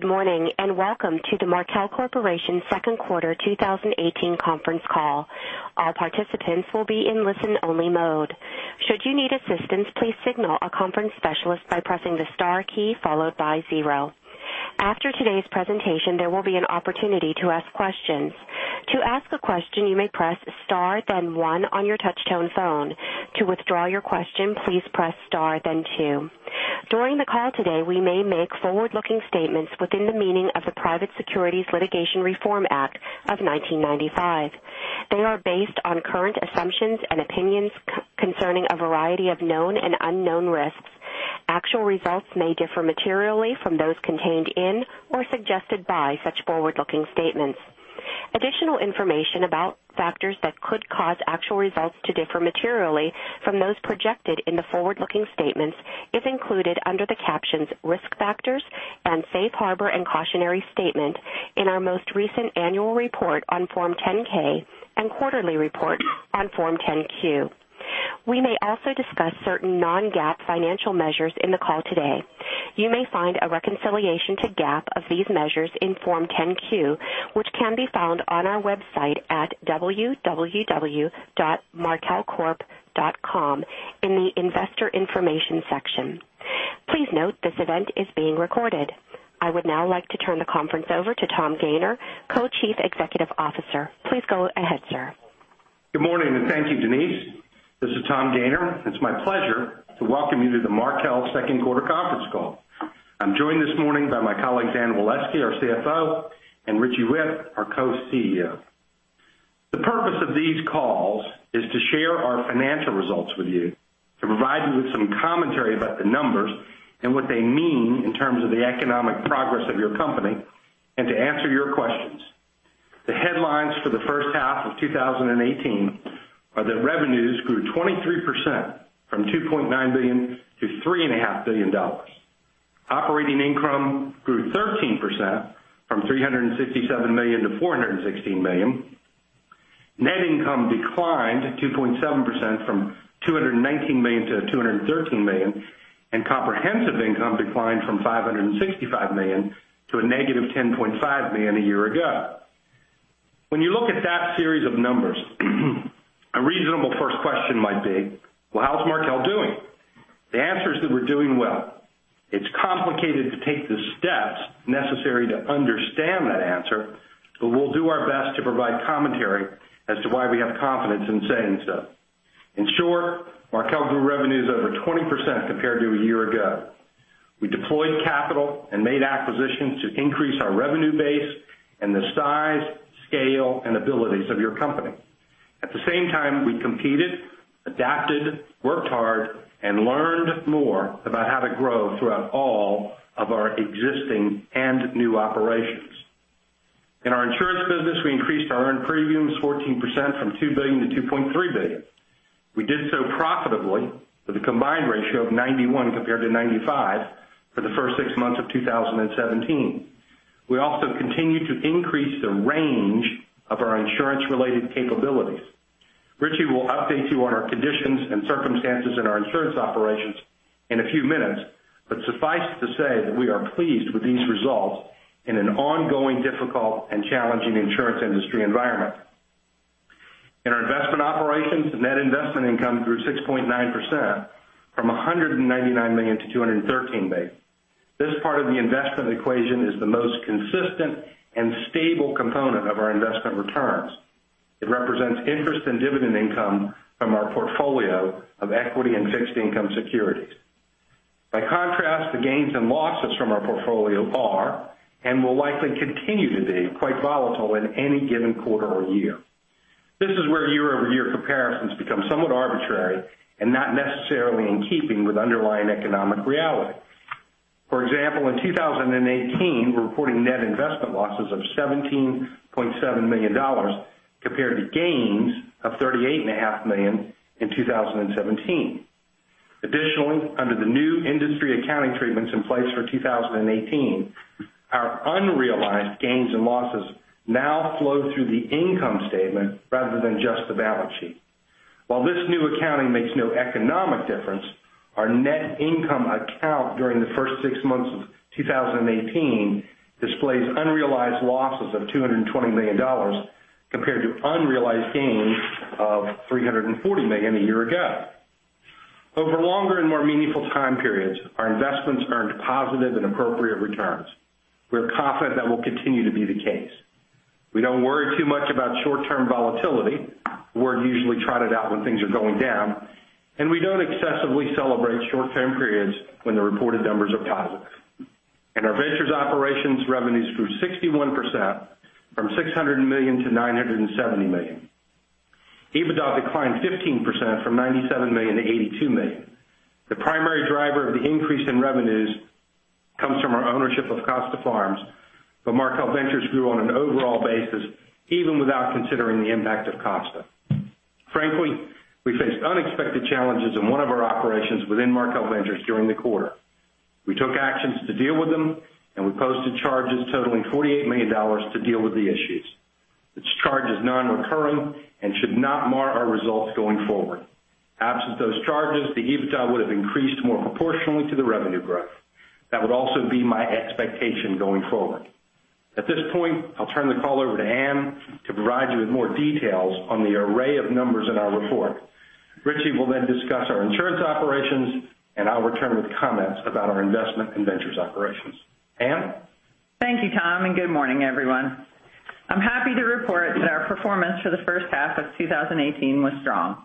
Good morning, and welcome to the Markel Corporation second quarter 2018 conference call. All participants will be in listen-only mode. Should you need assistance, please signal a conference specialist by pressing the star key followed by 0. After today's presentation, there will be an opportunity to ask questions. To ask a question, you may press star then 1 on your touch-tone phone. To withdraw your question, please press star then 2. During the call today, we may make forward-looking statements within the meaning of the Private Securities Litigation Reform Act of 1995. They are based on current assumptions and opinions concerning a variety of known and unknown risks. Actual results may differ materially from those contained in or suggested by such forward-looking statements. Additional information about factors that could cause actual results to differ materially from those projected in the forward-looking statements is included under the captions "Risk Factors" and "Safe Harbor and Cautionary Statement" in our most recent annual report on Form 10-K and quarterly report on Form 10-Q. We may also discuss certain non-GAAP financial measures in the call today. You may find a reconciliation to GAAP of these measures in Form 10-Q, which can be found on our website at www.markelcorp.com in the Investor Information section. Please note this event is being recorded. I would now like to turn the conference over to Tom Gayner, Co-Chief Executive Officer. Please go ahead, sir. Good morning, and thank you, Denise. This is Tom Gayner. It's my pleasure to welcome you to the Markel second quarter conference call. I'm joined this morning by my colleague Anne Waleski, our CFO, and Richie Whitt, our Co-CEO. The purpose of these calls is to share our financial results with you, to provide you with some commentary about the numbers and what they mean in terms of the economic progress of your company, and to answer your questions. The headlines for the first half of 2018 are that revenues grew 23% from $2.9 billion to $3.5 billion. Operating income grew 13%, from $367 million to $416 million. Net income declined 2.7%, from $219 million to $213 million, and comprehensive income declined from $565 million to a negative $10.5 million a year ago. When you look at that series of numbers, a reasonable first question might be, well, how is Markel doing? The answer is that we're doing well. It's complicated to take the steps necessary to understand that answer, but we'll do our best to provide commentary as to why we have confidence in saying so. In short, Markel grew revenues over 20% compared to a year ago. We deployed capital and made acquisitions to increase our revenue base and the size, scale, and abilities of your company. At the same time, we competed, adapted, worked hard, and learned more about how to grow throughout all of our existing and new operations. In our insurance business, we increased our earned premiums 14%, from $2 billion to $2.3 billion. We did so profitably with a combined ratio of 91 compared to 95 for the first 6 months of 2017. We also continued to increase the range of our insurance-related capabilities. Richie will update you on our conditions and circumstances in our insurance operations in a few minutes. Suffice it to say that we are pleased with these results in an ongoing difficult and challenging insurance industry environment. In our investment operations, the net investment income grew 6.9%, from $199 million to $213 million. This part of the investment equation is the most consistent and stable component of our investment returns. It represents interest and dividend income from our portfolio of equity and fixed income securities. By contrast, the gains and losses from our portfolio are and will likely continue to be quite volatile in any given quarter or year. This is where year-over-year comparisons become somewhat arbitrary and not necessarily in keeping with underlying economic reality. For example, in 2018, we're reporting net investment losses of $17.7 million compared to gains of $38.5 million in 2017. Under the new industry accounting treatments in place for 2018, our unrealized gains and losses now flow through the income statement rather than just the balance sheet. While this new accounting makes no economic difference, our net income account during the first six months of 2018 displays unrealized losses of $220 million compared to unrealized gains of $340 million a year ago. Over longer and more meaningful time periods, our investments earned positive and appropriate returns. We're confident that will continue to be the case. We don't worry too much about short-term volatility. We're usually trotted out when things are going down. We don't excessively celebrate short-term periods when the reported numbers are positive. In our ventures operations, revenues grew 61%, from $600 million to $970 million. EBITDA declined 15%, from $97 million to $82 million. The primary driver of the increase in revenues comes from our ownership of Costa Farms. Markel Ventures grew on an overall basis even without considering the impact of Costa. Frankly, we faced unexpected challenges in one of our operations within Markel Ventures during the quarter. We took actions to deal with them. We posted charges totaling $48 million to deal with the issues. This charge is non-recurring and should not mar our results going forward. Absent those charges, the EBITDA would have increased more proportionally to the revenue growth. That would also be my expectation going forward. At this point, I'll turn the call over to Anne to provide you with more details on the array of numbers in our report. Richie will then discuss our insurance operations. I'll return with comments about our investment in ventures operations. Anne? Thank you, Tom. Good morning, everyone. I'm happy to report that our performance for the first half of 2018 was strong.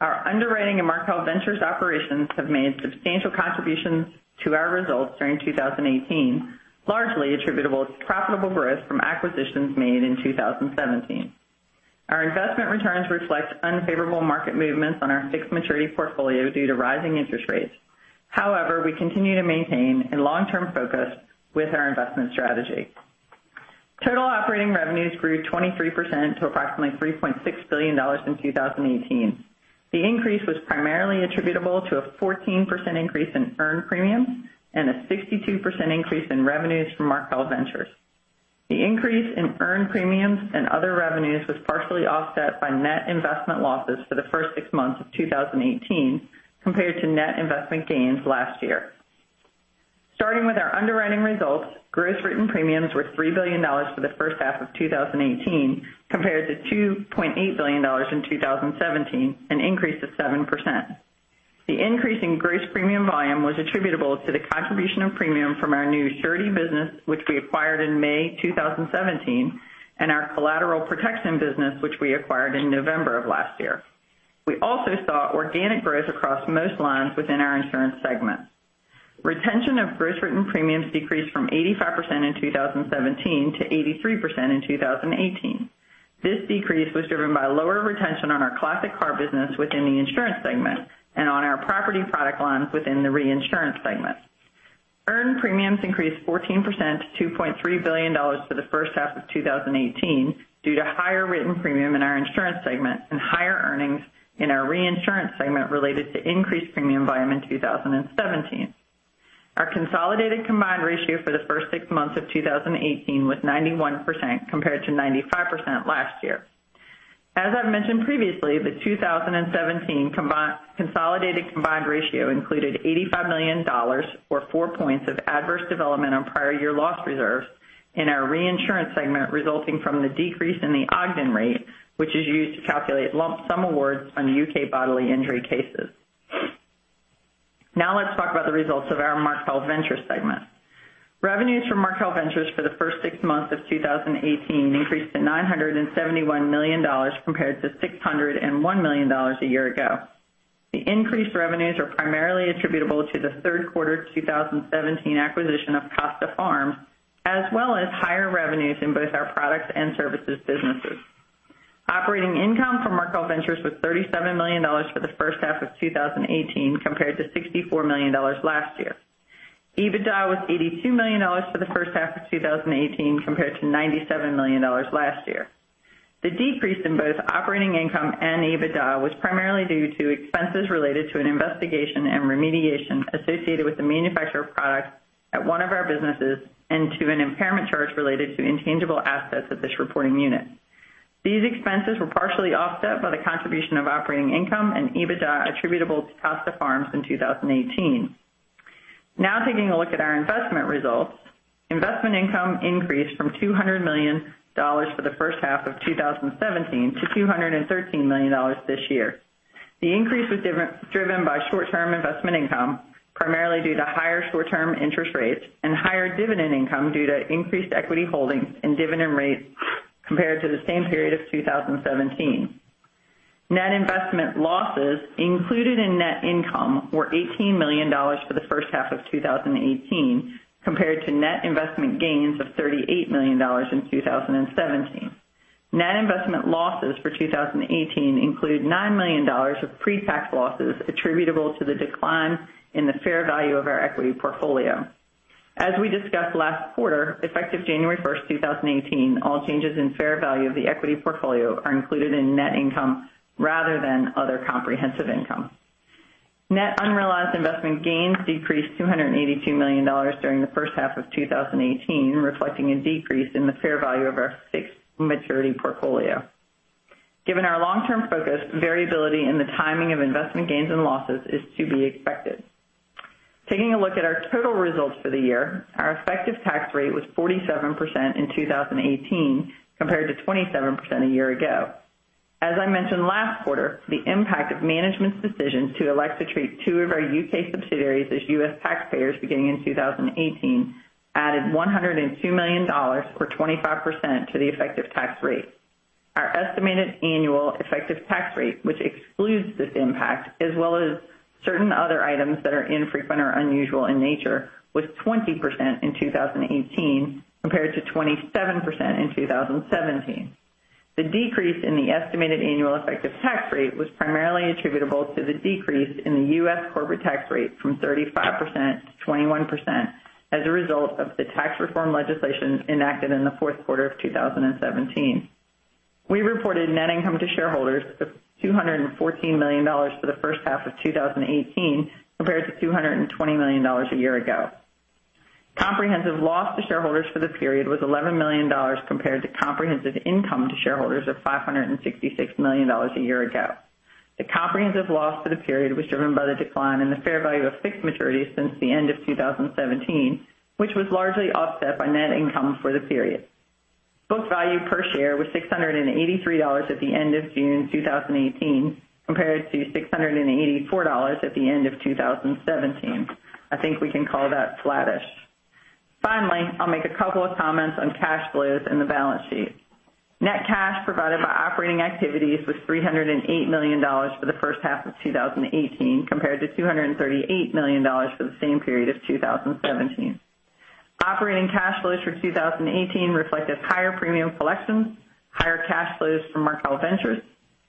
Our underwriting and Markel Ventures operations have made substantial contributions to our results during 2018, largely attributable to profitable growth from acquisitions made in 2017. Our investment returns reflect unfavorable market movements on our fixed maturity portfolio due to rising interest rates. We continue to maintain a long-term focus with our investment strategy. Total operating revenues grew 23% to approximately $3.6 billion in 2018. The increase was primarily attributable to a 14% increase in earned premiums and a 62% increase in revenues from Markel Ventures. The increase in earned premiums and other revenues was partially offset by net investment losses for the first six months of 2018 compared to net investment gains last year. Starting with our underwriting results, gross written premiums were $3 billion for the first half of 2018 compared to $2.8 billion in 2017, an increase of 7%. The increase in gross premium volume was attributable to the contribution of premium from our new surety business, which we acquired in May 2017, and our collateral protection business, which we acquired in November of last year. We also saw organic growth across most lines within our insurance segment. Retention of gross written premiums decreased from 85% in 2017 to 83% in 2018. This decrease was driven by lower retention on our classic car business within the insurance segment and on our property product lines within the reinsurance segment. Earned premiums increased 14% to $2.3 billion for the first half of 2018 due to higher written premium in our insurance segment and higher earnings in our reinsurance segment related to increased premium volume in 2017. Our consolidated combined ratio for the first six months of 2018 was 91% compared to 95% last year. As I've mentioned previously, the 2017 consolidated combined ratio included $85 million, or four points of adverse development on prior year loss reserves in our reinsurance segment, resulting from the decrease in the Ogden rate, which is used to calculate lump sum awards on U.K. bodily injury cases. Let's talk about the results of our Markel Ventures segment. Revenues from Markel Ventures for the first six months of 2018 increased to $971 million compared to $601 million a year ago. The increased revenues are primarily attributable to the third quarter 2017 acquisition of Costa Farms, as well as higher revenues in both our products and services businesses. Operating income from Markel Ventures was $37 million for the first half of 2018, compared to $64 million last year. EBITDA was $82 million for the first half of 2018, compared to $97 million last year. The decrease in both operating income and EBITDA was primarily due to expenses related to an investigation and remediation associated with the manufacture of products at one of our businesses and to an impairment charge related to intangible assets at this reporting unit. These expenses were partially offset by the contribution of operating income and EBITDA attributable to Costa Farms in 2018. Taking a look at our investment results. Investment income increased from $200 million for the first half of 2017 to $213 million this year. The increase was driven by short-term investment income, primarily due to higher short-term interest rates and higher dividend income due to increased equity holdings and dividend rates compared to the same period of 2017. Net investment losses included in net income were $18 million for the first half of 2018, compared to net investment gains of $38 million in 2017. Net investment losses for 2018 include $9 million of pre-tax losses attributable to the decline in the fair value of our equity portfolio. As we discussed last quarter, effective January 1st, 2018, all changes in fair value of the equity portfolio are included in net income rather than other comprehensive income. Net unrealized investment gains decreased $282 million during the first half of 2018, reflecting a decrease in the fair value of our fixed maturity portfolio. Given our long-term focus, variability in the timing of investment gains and losses is to be expected. Taking a look at our total results for the year, our effective tax rate was 47% in 2018 compared to 27% a year ago. As I mentioned last quarter, the impact of management's decision to elect to treat two of our U.K. subsidiaries as U.S. taxpayers beginning in 2018 added $102 million, or 25%, to the effective tax rate. Our estimated annual effective tax rate, which excludes this impact as well as certain other items that are infrequent or unusual in nature, was 20% in 2018 compared to 27% in 2017. The decrease in the estimated annual effective tax rate was primarily attributable to the decrease in the U.S. corporate tax rate from 35% to 21% as a result of the tax reform legislation enacted in the fourth quarter of 2017. We reported net income to shareholders of $214 million for the first half of 2018, compared to $220 million a year ago. Comprehensive loss to shareholders for the period was $11 million compared to comprehensive income to shareholders of $566 million a year ago. The comprehensive loss for the period was driven by the decline in the fair value of fixed maturities since the end of 2017, which was largely offset by net income for the period. Book value per share was $683 at the end of June 2018, compared to $684 at the end of 2017. I think we can call that flattish. Finally, I'll make a couple of comments on cash flows and the balance sheet. Net cash provided by operating activities was $308 million for the first half of 2018, compared to $238 million for the same period of 2017. Operating cash flows for 2018 reflected higher premium collections, higher cash flows from Markel Ventures,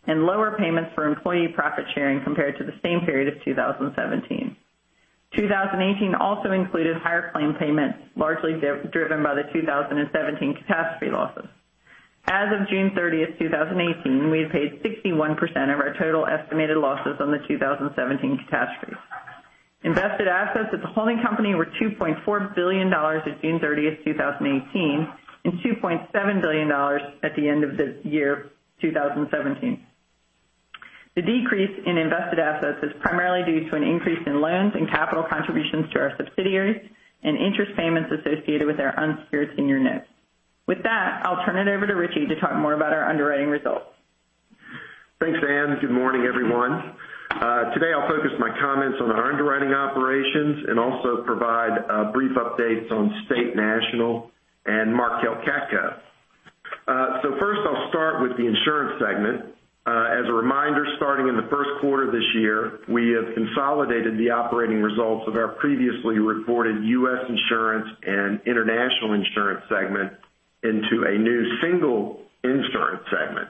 and lower payments for employee profit-sharing compared to the same period of 2017. 2018 also included higher claim payments, largely driven by the 2017 catastrophe losses. As of June 30th, 2018, we had paid 61% of our total estimated losses on the 2017 catastrophe. Invested assets at the holding company were $2.4 billion at June 30th, 2018, and $2.7 billion at the end of the year 2017. The decrease in invested assets is primarily due to an increase in loans and capital contributions to our subsidiaries and interest payments associated with our unsecured senior notes. With that, I'll turn it over to Richie to talk more about our underwriting results. Thanks, Anne. Good morning, everyone. Today, I'll focus my comments on our underwriting operations and also provide brief updates on State National and Markel CATCo. First, I'll start with the insurance segment. As a reminder, starting in the first quarter this year, we have consolidated the operating results of our previously reported U.S. Insurance and International Insurance segment into a new single insurance segment.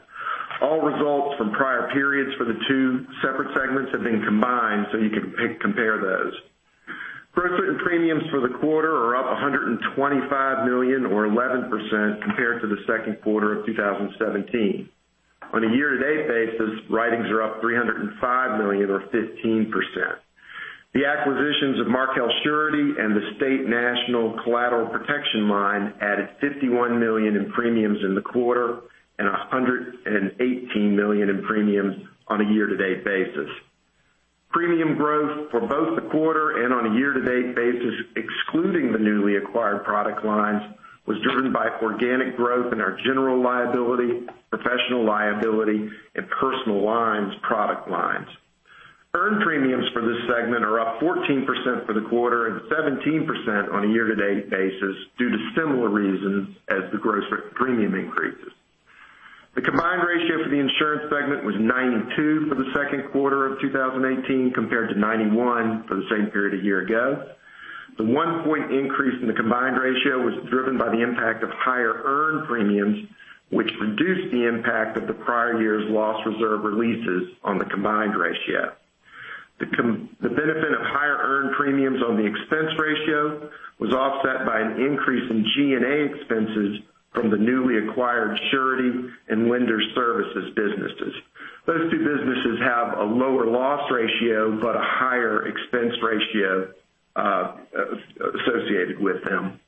All results from prior periods for the two separate segments have been combined, so you can compare those. Gross written premiums for the quarter are up $125 million or 11% compared to the second quarter of 2017. On a year-to-date basis, writings are up $305 million or 15%. The acquisitions of Markel Surety and the State National collateral protection line added $51 million in premiums in the quarter and $118 million in premiums on a year-to-date basis. Premium growth for both the quarter and on a year-to-date basis, excluding the newly acquired product lines, was driven by organic growth in our general liability, professional liability, and personal lines product lines. Earned premiums for this segment are up 14% for the quarter and 17% on a year-to-date basis due to similar reasons as the gross written premium increases. The combined ratio for the insurance segment was 92 for the second quarter of 2018, compared to 91 for the same period a year ago. The one point increase in the combined ratio was driven by the impact of higher earned premiums, which reduced the impact of the prior year's loss reserve releases on the combined ratio. The benefit of higher earned premiums on the expense ratio was offset by an increase in G&A expenses from the newly acquired surety and lender services businesses. Those two businesses have a lower loss ratio but a higher expense ratio associated with them.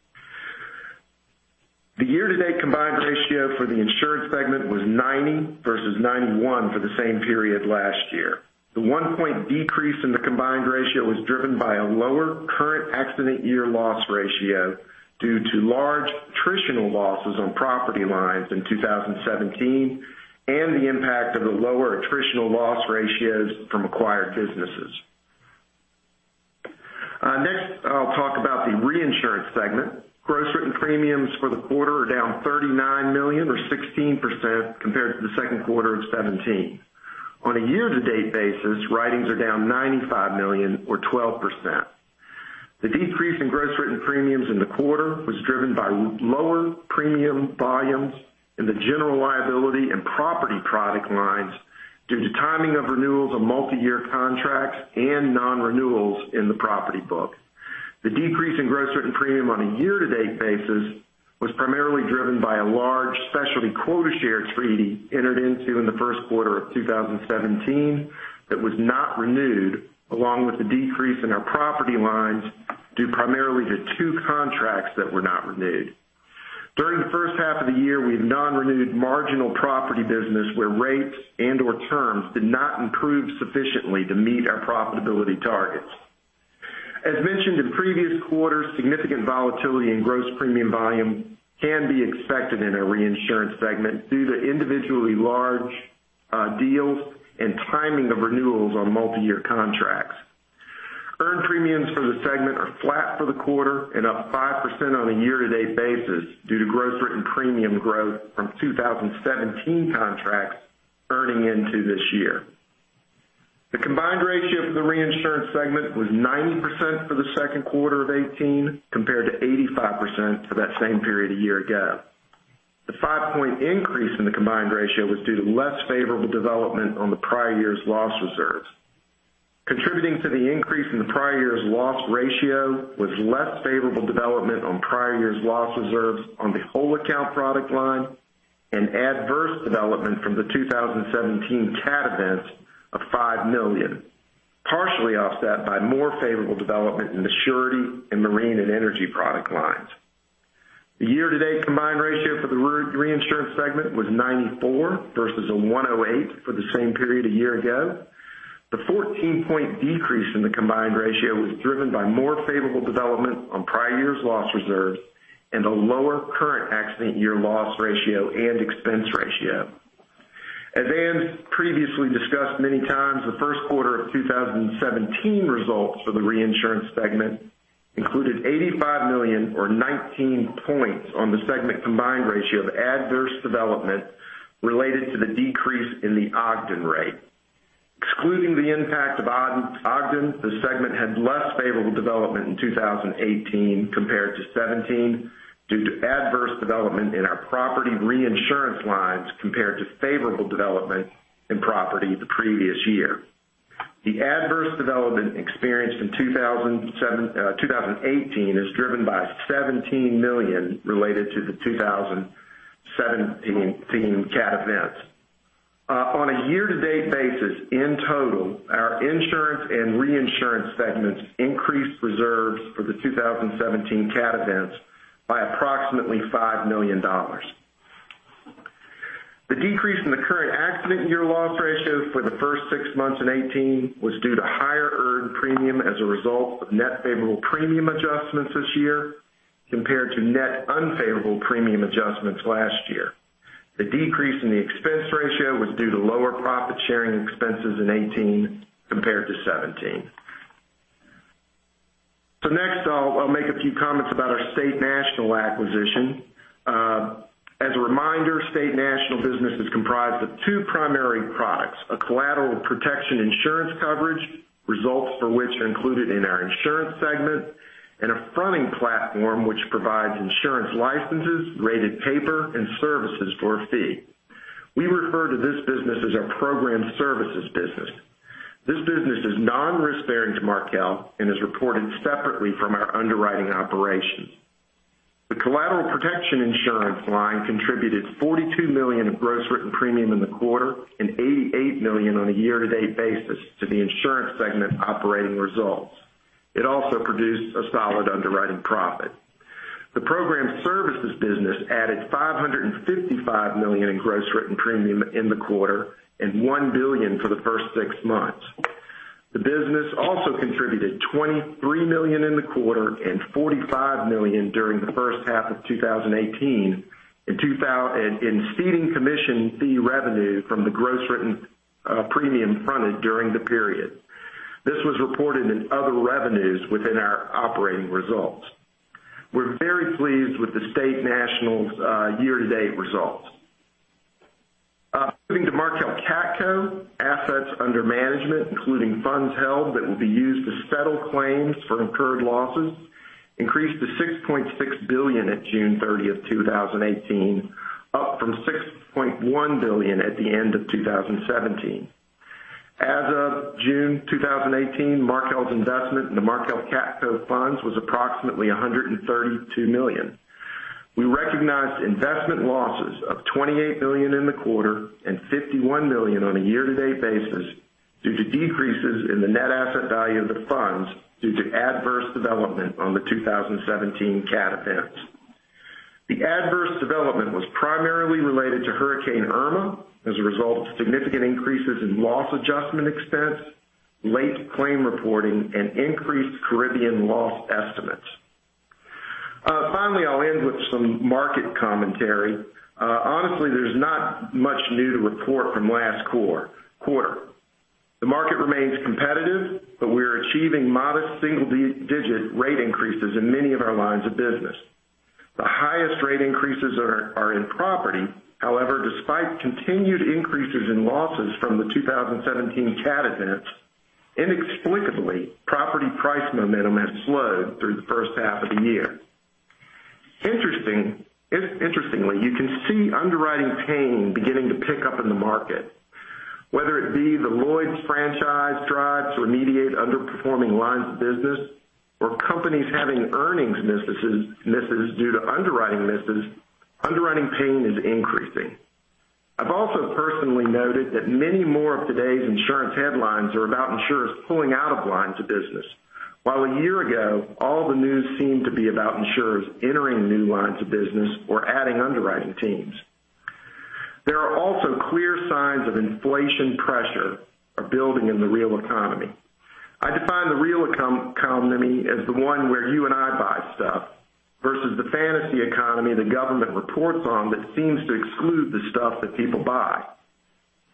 The year-to-date combined ratio for the insurance segment was 90 versus 91 for the same period last year. The one point decrease in the combined ratio was driven by a lower current accident year loss ratio due to large attritional losses on property lines in 2017 and the impact of the lower attritional loss ratios from acquired businesses. Next, I'll talk about the reinsurance segment. Gross written premiums for the quarter are down $39 million or 16% compared to the second quarter of 2017. On a year-to-date basis, writings are down $95 million or 12%. The decrease in gross written premiums in the quarter was driven by lower premium volumes in the general liability and property product lines due to timing of renewals of multi-year contracts and non-renewals in the property book. The decrease in gross written premium on a year-to-date basis was primarily driven by a large specialty quota share treaty entered into in the first quarter of 2017 that was not renewed, along with the decrease in our property lines due primarily to two contracts that were not renewed. During the first half of the year, we have non-renewed marginal property business where rates and/or terms did not improve sufficiently to meet our profitability targets. As mentioned in previous quarters, significant volatility in gross premium volume can be expected in a reinsurance segment due to individually large deals and timing of renewals on multi-year contracts. Earned premiums for the segment are flat for the quarter and up 5% on a year-to-date basis due to gross written premium growth from 2017 contracts earning into this year. The combined ratio for the reinsurance segment was 90% for the second quarter of 2018, compared to 85% for that same period a year ago. The five-point increase in the combined ratio was due to less favorable development on the prior year's loss reserves. Contributing to the increase in the prior year's loss ratio was less favorable development on prior year's loss reserves on the whole account product line and adverse development from the 2017 cat event of $5 million. Partially offset by more favorable development in the surety and marine and energy product lines. The year-to-date combined ratio for the reinsurance segment was 94 versus 108 for the same period a year ago. The 14-point decrease in the combined ratio was driven by more favorable development on prior year's loss reserves and a lower current accident year loss ratio and expense ratio. As Anne previously discussed many times, the first quarter of 2017 results for the reinsurance segment included $85 million or 19 points on the segment combined ratio of adverse development related to the decrease in the Ogden rate. Excluding the impact of Ogden, the segment had less favorable development in 2018 compared to 2017 due to adverse development in our property reinsurance lines compared to favorable development in property the previous year. The adverse development experienced in 2018 is driven by $17 million related to the 2017 cat events. On a year-to-date basis, in total, our insurance and reinsurance segments increased reserves for the 2017 cat events by approximately $5 million. The decrease in the current accident year loss ratio for the first six months in 2018 was due to higher earned premium as a result of net favorable premium adjustments this year compared to net unfavorable premium adjustments last year. The decrease in the expense ratio was due to lower profit-sharing expenses in 2018 compared to 2017. Next, I'll make a few comments about our State National acquisition. As a reminder, State National business is comprised of two primary products, a collateral protection insurance coverage, results for which are included in our insurance segment, and a fronting platform which provides insurance licenses, rated paper, and services for a fee. We refer to this business as our program services business. This business is non-risk-bearing to Markel and is reported separately from our underwriting operations. The collateral protection insurance line contributed $42 million of gross written premium in the quarter and $88 million on a year-to-date basis to the insurance segment operating results. It also produced a solid underwriting profit. The program services business added $555 million in gross written premium in the quarter and $1 billion for the first six months. The business also contributed $23 million in the quarter and $45 million during the first half of 2018 in ceding commission fee revenue from the gross written premium fronted during the period. This was reported in other revenues within our operating results. We're very pleased with State National's year-to-date results. Moving to Markel CATCo, assets under management, including funds held that will be used to settle claims for incurred losses, increased to $6.6 billion at June 30th, 2018, up from $6.1 billion at the end of 2017. As of June 2018, Markel's investment in the Markel CATCo funds was approximately $132 million. We recognized investment losses of $28 million in the quarter and $51 million on a year-to-date basis due to decreases in the net asset value of the funds due to adverse development on the 2017 cat events. The adverse development was primarily related to Hurricane Irma as a result of significant increases in loss adjustment expense, late claim reporting, and increased Caribbean loss estimates. I'll end with some market commentary. Honestly, there's not much new to report from last quarter. The market remains competitive, but we're achieving modest single-digit rate increases in many of our lines of business. The highest rate increases are in property. However, despite continued increases in losses from the 2017 cat events, inexplicably, property price momentum has slowed through the first half of the year. Interestingly, you can see underwriting pain beginning to pick up in the market, whether it be the Lloyd's franchise drives to remediate underperforming lines of business or companies having earnings misses due to underwriting misses, underwriting pain is increasing. I've also personally noted that many more of today's insurance headlines are about insurers pulling out of lines of business. While a year ago, all the news seemed to be about insurers entering new lines of business or adding underwriting teams. There are also clear signs of inflation pressure are building in the real economy. I define the real economy as the one where you and I buy stuff versus the fantasy economy the government reports on that seems to exclude the stuff that people buy.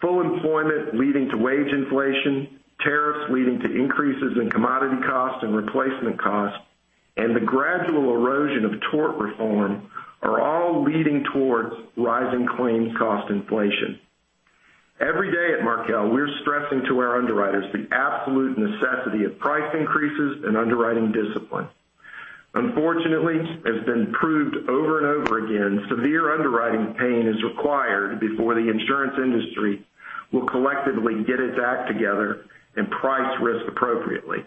Full employment leading to wage inflation, tariffs leading to increases in commodity costs and replacement costs, and the gradual erosion of tort reform are all leading towards rising claims cost inflation. Every day at Markel, we're stressing to our underwriters the absolute necessity of price increases and underwriting discipline. Unfortunately, as been proved over and over again, severe underwriting pain is required before the insurance industry will collectively get its act together and price risk appropriately.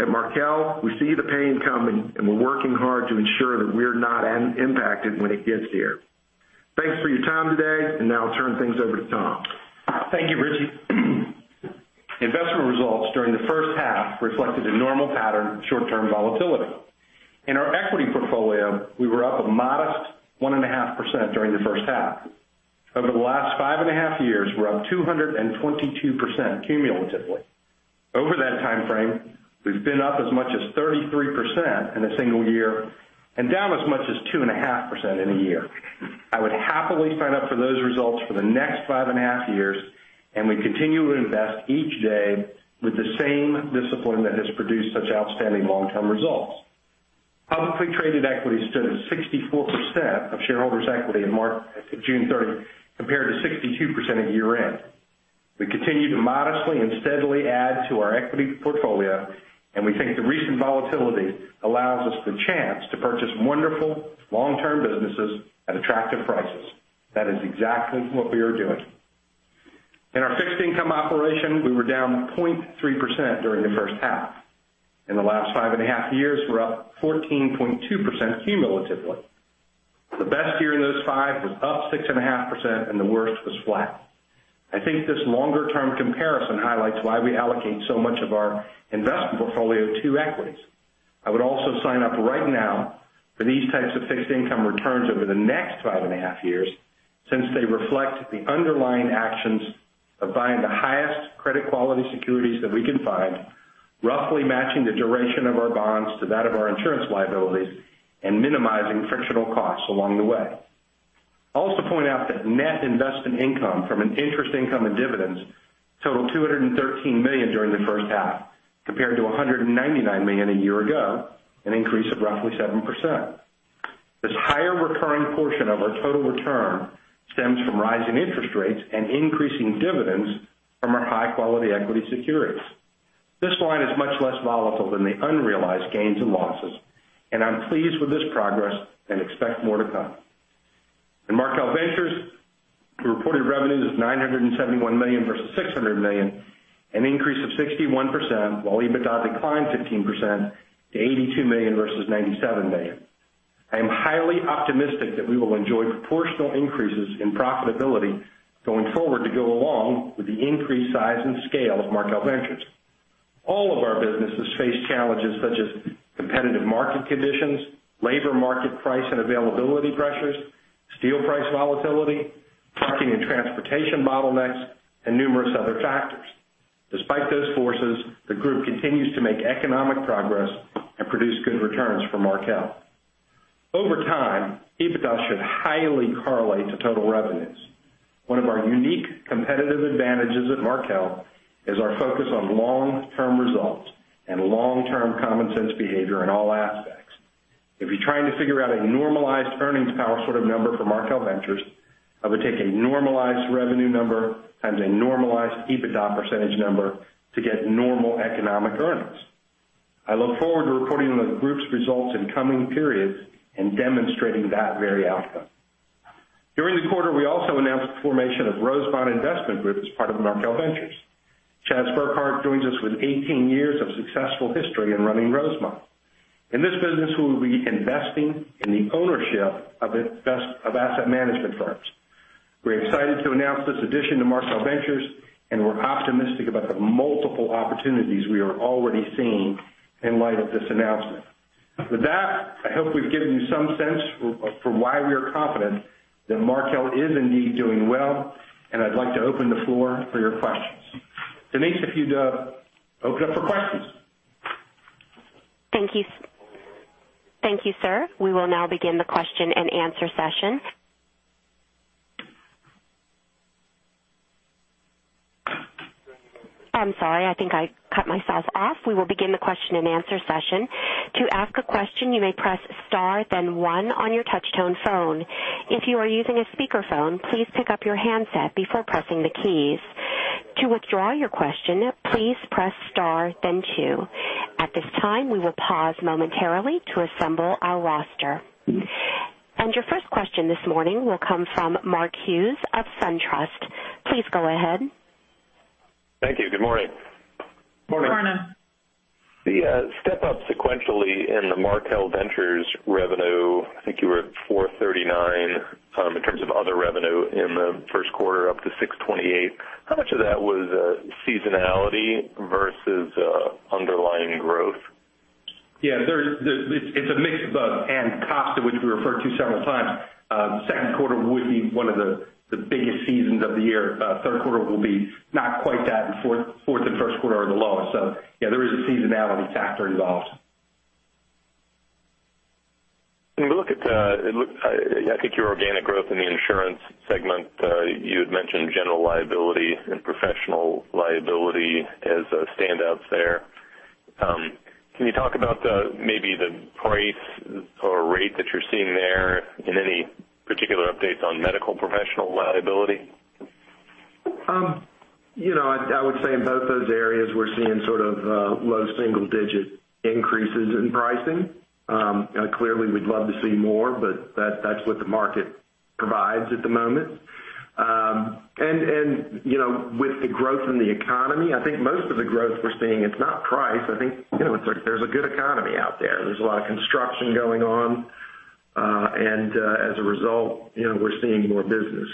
At Markel, we see the pain coming, and we're working hard to ensure that we're not impacted when it gets here. Thanks for your time today, and now I'll turn things over to Tom. Thank you, Richie. Investment results during the first half reflected a normal pattern of short-term volatility. In our equity portfolio, we were up a modest 1.5% during the first half. Over the last five and a half years, we're up 222% cumulatively. Over that timeframe, we've been up as much as 33% in a single year and down as much as 2.5% in a year. I would happily sign up for those results for the next five and a half years, and we continue to invest each day with the same discipline that has produced such outstanding long-term results. Publicly traded equity stood at 64% of shareholders' equity in June 30, compared to 62% at year-end. We continue to modestly and steadily add to our equity portfolio, and we think the recent volatility allows us the chance to purchase wonderful long-term businesses at attractive prices. That is exactly what we are doing. In our fixed income operation, we were down 0.3% during the first half. In the last five and a half years, we're up 14.2% cumulatively. The best year in those five was up 6.5%, and the worst was flat. I think this longer-term comparison highlights why we allocate so much of our investment portfolio to equities. I would also sign up right now for these types of fixed income returns over the next five and a half years since they reflect the underlying actions of buying the highest credit quality securities that we can find, roughly matching the duration of our bonds to that of our insurance liabilities, and minimizing frictional costs along the way. I'll also point out that net investment income from an interest income and dividends totaled $213 million during the first half, compared to $199 million a year ago, an increase of roughly 7%. This higher recurring portion of our total return stems from rising interest rates and increasing dividends from our high-quality equity securities. This line is much less volatile than the unrealized gains and losses, and I'm pleased with this progress and expect more to come. In Markel Ventures, we reported revenues of $971 million versus $600 million, an increase of 61%, while EBITDA declined 15% to $82 million versus $97 million. I am highly optimistic that we will enjoy proportional increases in profitability going forward to go along with the increased size and scale of Markel Ventures. All of our businesses face challenges such as competitive market conditions, labor market price and availability pressures, steel price volatility, trucking and transportation bottlenecks, and numerous other factors. Despite those forces, the group continues to make economic progress and produce good returns for Markel. Over time, EBITDA should highly correlate to total revenues. One of our unique competitive advantages at Markel is our focus on long-term results and long-term commonsense behavior in all aspects. If you're trying to figure out a normalized earnings power sort of number for Markel Ventures, I would take a normalized revenue number times a normalized EBITDA % number to get normal economic earnings. I look forward to reporting on the group's results in coming periods and demonstrating that very outcome. During the quarter, we also announced the formation of Rosemont Investment Group as part of Markel Ventures. Chas Burkhart joins us with 18 years of successful history in running Rosemont. In this business, we will be investing in the ownership of asset management firms. We're excited to announce this addition to Markel Ventures, and we're optimistic about the multiple opportunities we are already seeing in light of this announcement. With that, I hope we've given you some sense for why we are confident that Markel is indeed doing well, and I'd like to open the floor for your questions. Denise, if you'd open it up for questions. Thank you. Thank you, sir. We will now begin the question and answer session. I'm sorry. I think I cut myself off. We will begin the question and answer session. To ask a question, you may press star then one on your touch-tone phone. If you are using a speakerphone, please pick up your handset before pressing the keys. To withdraw your question, please press star then two. At this time, we will pause momentarily to assemble our roster. Your first question this morning will come from Mark Hughes of SunTrust. Please go ahead. Thank you. Good morning. Morning. Morning. The step-up sequentially in the Markel Ventures revenue, I think you were at $439 in terms of other revenue in the first quarter, up to $628. How much of that was seasonality versus underlying growth? It's a mix of both. Costa, which we referred to several times. Second quarter would be one of the biggest seasons of the year. Third quarter will be not quite that, and fourth and first quarter are the lowest. There is a seasonality factor involved. When we look at, I think, your organic growth in the insurance segment, you had mentioned general liability and professional liability as standouts there. Can you talk about maybe the price or rate that you're seeing there and any particular updates on medical professional liability? I would say in both those areas, we're seeing low single-digit increases in pricing. Clearly, we'd love to see more, but that's what the market provides at the moment. With the growth in the economy, I think most of the growth we're seeing, it's not price. I think there's a good economy out there. There's a lot of construction going on. As a result, we're seeing more business.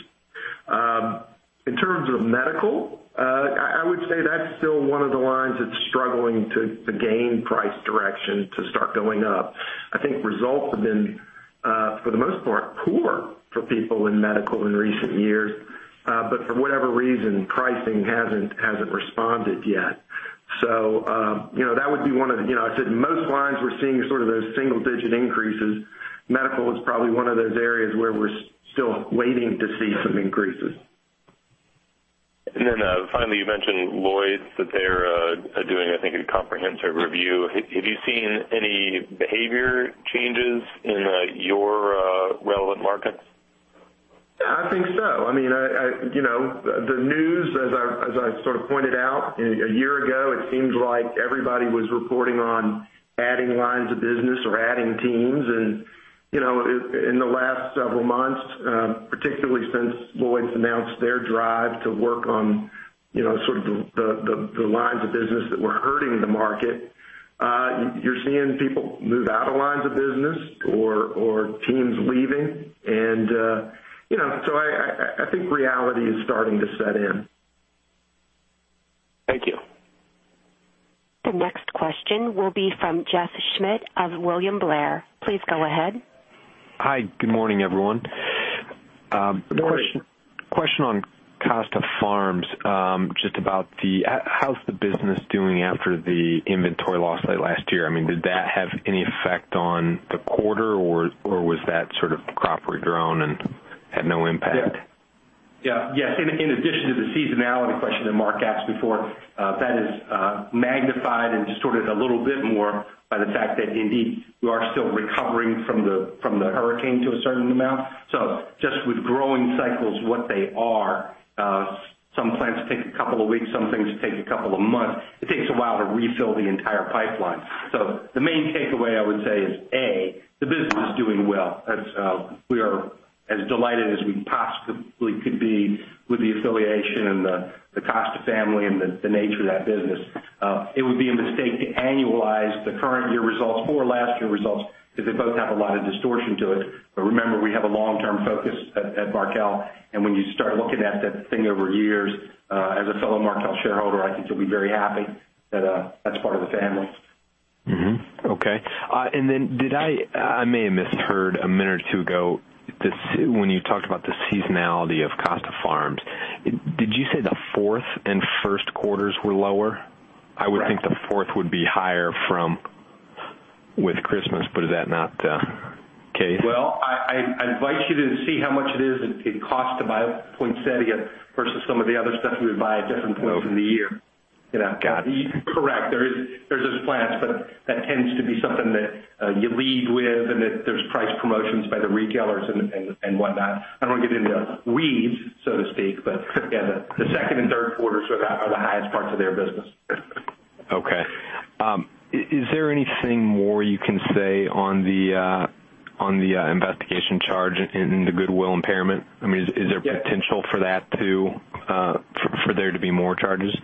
In terms of medical, I would say that's still one of the lines that's struggling to gain price direction to start going up. I think results have been, for the most part, poor for people in medical in recent years. For whatever reason, pricing hasn't responded yet. That would be one of the-- I said most lines we're seeing sort of those single-digit increases. Medical is probably one of those areas where we're still waiting to see some increases. Finally, you mentioned Lloyd's, that they're doing, I think, a comprehensive review. Have you seen any behavior changes in your relevant markets? I think so. The news, as I sort of pointed out, a year ago, it seemed like everybody was reporting on adding lines of business or adding teams. In the last several months, particularly since Lloyd's announced their drive to work on sort of the lines of business that were hurting the market, you're seeing people move out of lines of business or teams leaving. I think reality is starting to set in. Thank you. The next question will be from Jeff Schmitt of William Blair. Please go ahead. Hi, good morning, everyone. Morning. Question on Costa Farms, just about how's the business doing after the inventory loss late last year? Did that have any effect on the quarter, or was that sort of crop regrown and had no impact? Yeah. Yes. In addition to the seasonality question that Mark asked before, that is magnified and distorted a little bit more by the fact that indeed, we are still recovering from the hurricane to a certain amount. Just with growing cycles what they are, some plants take a couple of weeks, some things take a couple of months. It takes a while to refill the entire pipeline. The main takeaway I would say is, A, the business is doing well. We are as delighted as we possibly could be with the affiliation and the Costa family and the nature of that business. It would be a mistake to annualize the current year results or last year results because they both have a lot of distortion to it. Remember, we have a long-term focus at Markel, and when you start looking at that thing over years, as a fellow Markel shareholder, I think you'll be very happy that that's part of the family. Okay. I may have misheard a minute or two ago, when you talked about the seasonality of Costa Farms. Did you say the fourth and first quarters were lower? Right. I would think the fourth would be higher with Christmas, is that not the case? Well, I invite you to see how much it is in cost to buy a poinsettia versus some of the other stuff you would buy at different points in the year. Got it. Correct. There's those plants, but that tends to be something that you lead with and that there's price promotions by the retailers and whatnot. I don't want to get into weeds, so to speak, but yeah, the second and third quarters are the highest parts of their business. Okay. Is there anything more you can say on the investigation charge in the goodwill impairment? Yes. Is there potential for there to be more charges?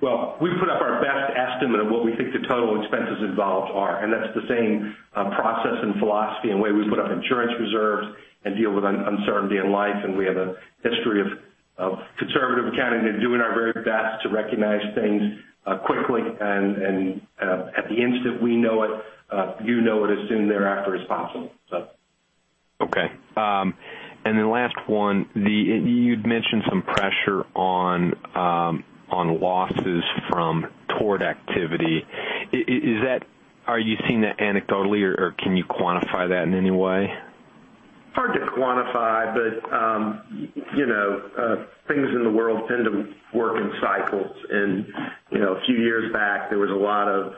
We put up our best estimate of what we think the total expenses involved are, and that's the same process and philosophy and way we put up insurance reserves and deal with uncertainty in life, and we have a history of conservative accounting and doing our very best to recognize things quickly and at the instant we know it, you know it as soon thereafter as possible. Okay. Last one, you'd mentioned some pressure on losses from tort activity. Are you seeing that anecdotally, or can you quantify that in any way? Hard to quantify, but things in the world tend to work in cycles. A few years back, there was a lot of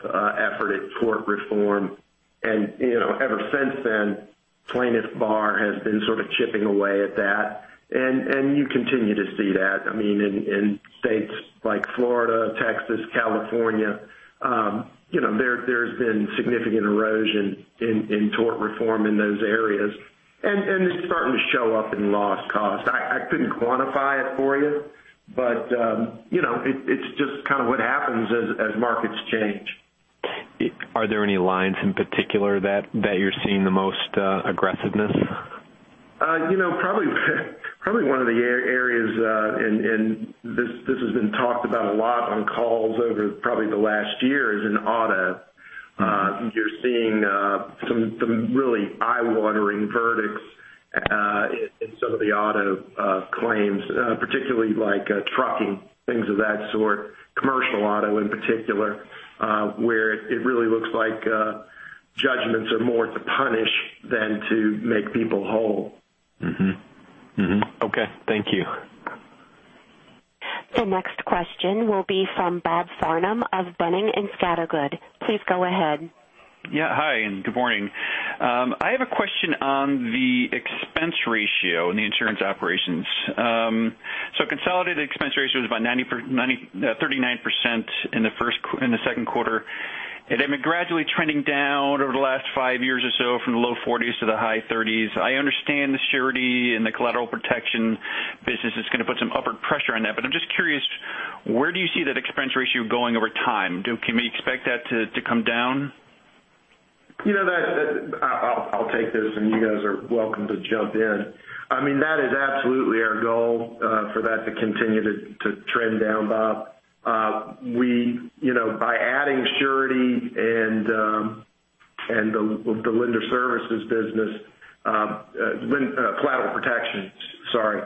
effort at tort reform. Ever since then, plaintiff bar has been sort of chipping away at that. You continue to see that. In states like Florida, Texas, California, there's been significant erosion in tort reform in those areas. It's starting to show up in loss cost. I couldn't quantify it for you, but it's just kind of what happens as markets change. Are there any lines in particular that you're seeing the most aggressiveness? Probably one of the areas, this has been talked about a lot on calls over probably the last year, is in auto. You're seeing some really eye-watering verdicts in some of the auto claims, particularly like trucking, things of that sort, commercial auto in particular, where it really looks like judgments are more to punish than to make people whole. Okay. Thank you. The next question will be from Bob Farnam of Boenning & Scattergood. Please go ahead. Yeah. Hi, good morning. I have a question on the expense ratio in the insurance operations. Consolidated expense ratio was about 39% in the second quarter, and it had been gradually trending down over the last five years or so from the low 40s to the high 30s. I understand the surety and the collateral protection business is going to put some upward pressure on that, but I'm just curious, where do you see that expense ratio going over time? Can we expect that to come down? I'll take this. You guys are welcome to jump in. That is absolutely our goal for that to continue to trend down, Bob. By adding surety and the lender services business, collateral protection, sorry.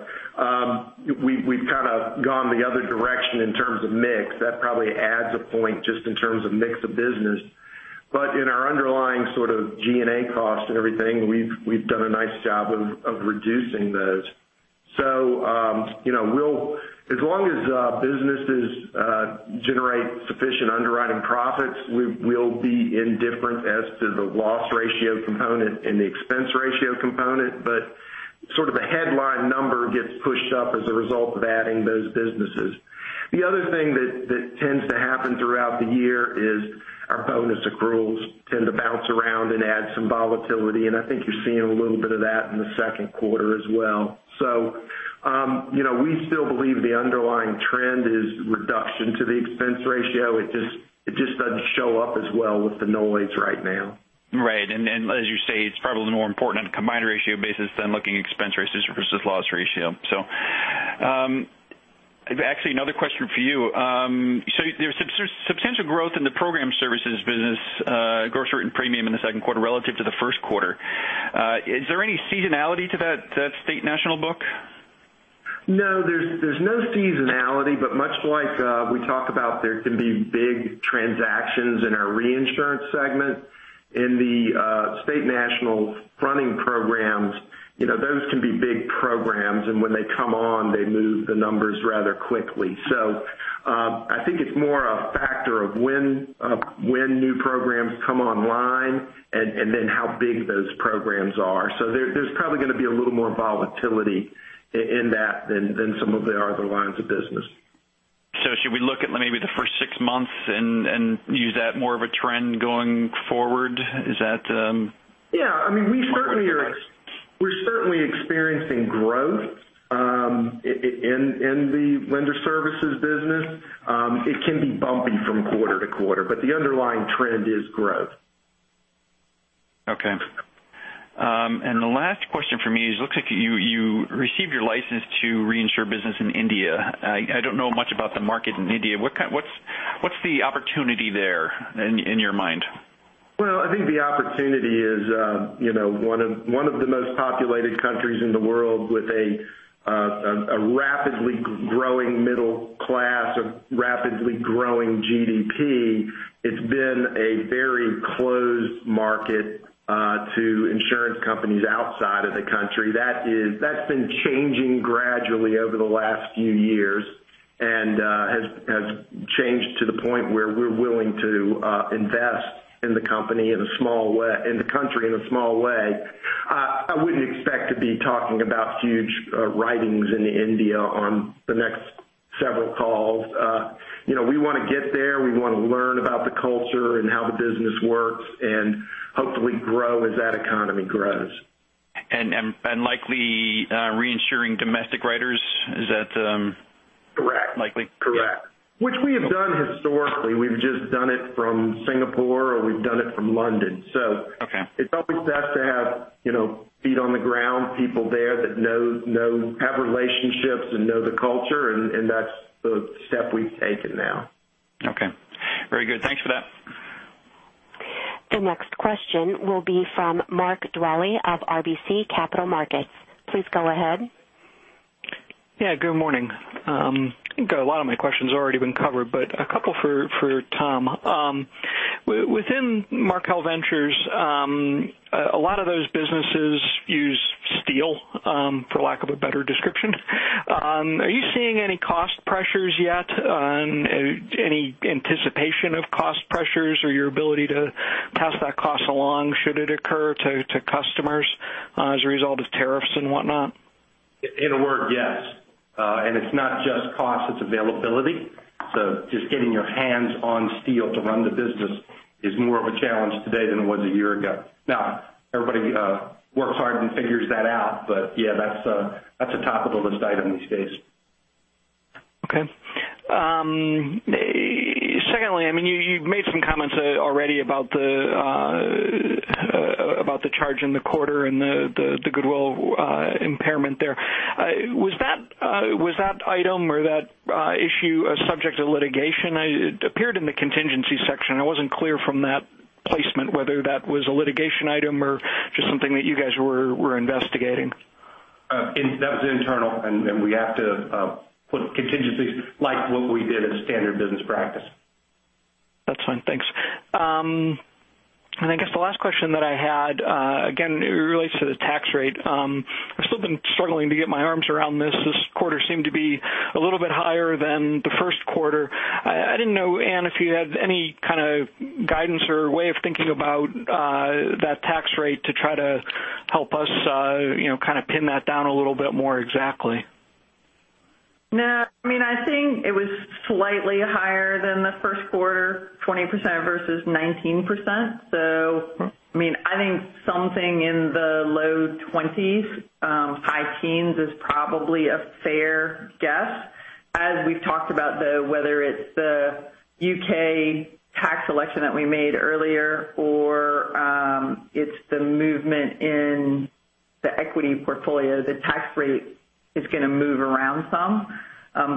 We've kind of gone the other direction in terms of mix. That probably adds a point just in terms of mix of business. In our underlying sort of G&A cost and everything, we've done a nice job of reducing those. As long as businesses generate sufficient underwriting profits, we'll be indifferent as to the loss ratio component and the expense ratio component, but sort of a headline number gets pushed up as a result of adding those businesses. The other thing that tends to happen throughout the year is our bonus accruals tend to bounce around and add some volatility, and I think you're seeing a little bit of that in the second quarter as well. We still believe the underlying trend is reduction to the expense ratio. It just doesn't show up as well with the noise right now. Right. As you say, it's probably more important on a combined ratio basis than looking at expense ratio versus loss ratio. Actually, another question for you. There's substantial growth in the program services business, gross written premium in the second quarter relative to the first quarter. Is there any seasonality to that State National book? No, there's no seasonality. Much like we talk about there can be big transactions in our reinsurance segment, in the State National fronting programs, those can be big programs, and when they come on, they move the numbers rather quickly. I think it's more a factor of when new programs come online and then how big those programs are. There's probably going to be a little more volatility in that than some of the other lines of business. Should we look at maybe the first six months and use that more of a trend going forward? Yeah. Is that more appropriate? We're certainly experiencing growth in the lender services business. It can be bumpy from quarter to quarter, but the underlying trend is growth. Okay. The last question from me is, looks like you received your license to reinsure business in India. I don't know much about the market in India. What's the opportunity there in your mind? Well, I think the opportunity is one of the most populated countries in the world with a rapidly growing middle class, a rapidly growing GDP. It's been a very closed market to insurance companies outside of the country. That's been changing gradually over the last few years and has changed to the point where we're willing to invest in the country in a small way. I wouldn't expect to be talking about huge writings into India on the next several calls. We want to get there, we want to learn about the culture and how the business works, and hopefully grow as that economy grows. Likely reinsuring domestic writers? Correct. -likely? Correct. Which we have done historically. We've just done it from Singapore, or we've done it from London. Okay. It's always best to have feet on the ground, people there that have relationships and know the culture. That's the step we've taken now. Okay. Very good. Thanks for that. The next question will be from Mark Dwelle of RBC Capital Markets. Please go ahead. Good morning. I think a lot of my questions have already been covered. A couple for Tom. Within Markel Ventures, a lot of those businesses use steel, for lack of a better description. Are you seeing any cost pressures yet, any anticipation of cost pressures or your ability to pass that cost along, should it occur to customers as a result of tariffs and whatnot? In a word, yes. It's not just cost, it's availability. Just getting your hands on steel to run the business is more of a challenge today than it was a year ago. Everybody works hard and figures that out, but yeah, that's a top of the list item these days. Okay. Secondly, you've made some comments already about the charge in the quarter and the goodwill impairment there. Was that item or that issue a subject of litigation? It appeared in the contingency section. I wasn't clear from that placement whether that was a litigation item or just something that you guys were investigating. That was internal. We have to put contingencies like what we did as standard business practice. That's fine. Thanks. I guess the last question that I had, again, it relates to the tax rate. I've still been struggling to get my arms around this. This quarter seemed to be a little bit higher than the first quarter. I didn't know, Anne, if you had any kind of guidance or way of thinking about that tax rate to try to help us pin that down a little bit more exactly. No. I think it was slightly higher than the first quarter, 20% versus 19%. I think something in the low 20s, high teens is probably a fair guess. As we've talked about, though, whether it's the U.K. tax election that we made earlier or it's the movement in the equity portfolio, the tax rate is going to move around some.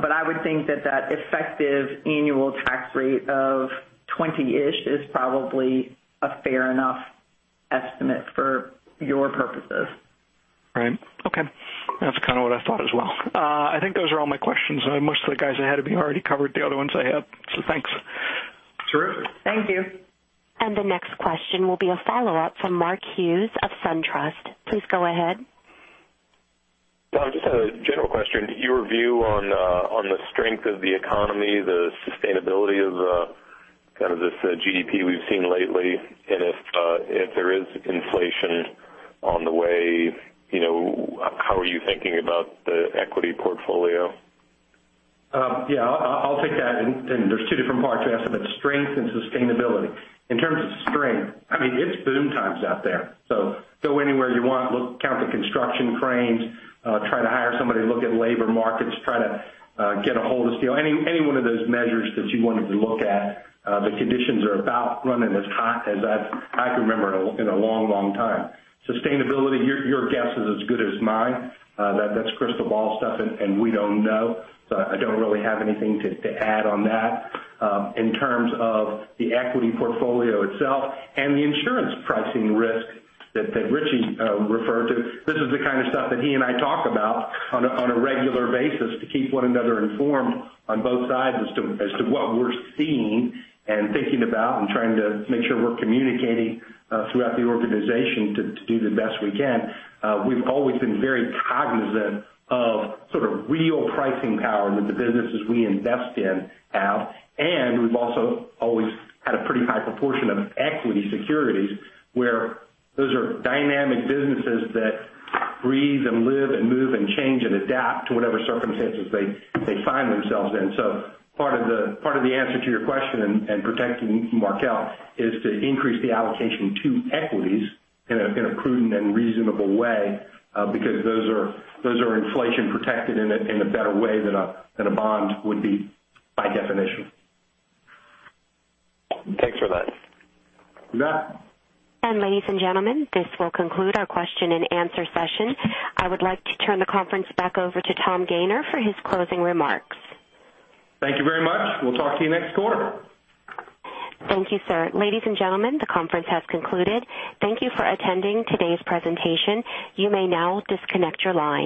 I would think that that effective annual tax rate of 20-ish is probably a fair enough estimate for your purposes. Right. Okay. That's what I thought as well. I think those are all my questions. Most of the guys ahead of me already covered the other ones I had, thanks. Terrific. Thank you. The next question will be a follow-up from Mark Hughes of SunTrust. Please go ahead. Tom, just a general question. Your view on the strength of the economy, the sustainability of kind of this GDP we've seen lately, and if there is inflation on the way, how are you thinking about the equity portfolio? Yeah, I'll take that. There's two different parts to that's strength and sustainability. In terms of strength, it's boom times out there. Go anywhere you want, count the construction cranes, try to hire somebody, look at labor markets, try to get ahold of steel. Any one of those measures that you wanted to look at, the conditions are about running as hot as I can remember in a long time. Sustainability, your guess is as good as mine. That's crystal ball stuff, we don't know. I don't really have anything to add on that. In terms of the equity portfolio itself and the insurance pricing risk that Richie referred to, this is the kind of stuff that he and I talk about on a regular basis to keep one another informed on both sides as to what we're seeing and thinking about and trying to make sure we're communicating throughout the organization to do the best we can. We've always been very cognizant of sort of real pricing power that the businesses we invest in have, we've also always had a pretty high proportion of equity securities, where those are dynamic businesses that breathe and live and move and change and adapt to whatever circumstances they find themselves in. Part of the answer to your question in protecting Markel is to increase the allocation to equities in a prudent and reasonable way, because those are inflation-protected in a better way than a bond would be by definition. Thanks for that. You bet. Ladies and gentlemen, this will conclude our question and answer session. I would like to turn the conference back over to Tom Gayner for his closing remarks. Thank you very much. We'll talk to you next quarter. Thank you, sir. Ladies and gentlemen, the conference has concluded. Thank you for attending today's presentation. You may now disconnect your line.